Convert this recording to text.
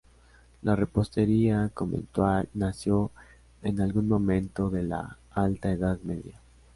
La repostería conventual nació en algún momento de la Alta Edad Media.